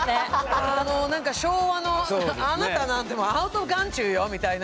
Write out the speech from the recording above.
なんか昭和の「あなたなんてアウトオブ眼中よ」みたいな。